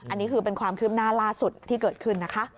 อันนี้คือเป็นความคืบหน้าล่าสุดที่เกิดขึ้นนะคะ